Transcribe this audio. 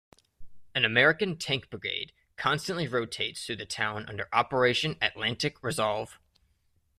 An American tank brigade constantly rotates through the town under Operation Atlantic Resolve.